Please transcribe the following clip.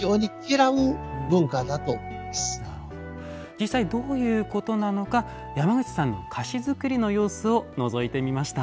実際どういうことなのか山口さんの菓子作りの様子をのぞいてみました。